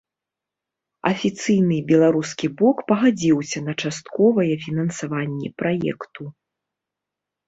Афіцыйны беларускі бок пагадзіўся на частковае фінансаванне праекту.